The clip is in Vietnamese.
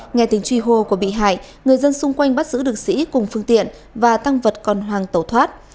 nghe tiếng truy hô của bị hại người dân xung quanh bắt giữ được sĩ cùng phương tiện và tăng vật còn hoàng tẩu thoát